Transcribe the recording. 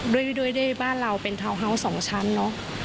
ด้วยบ้านเราเป็นทาวน์ฮาวส์๒ชั้นเนอะ